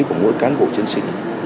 của mỗi cán bộ chiến sĩ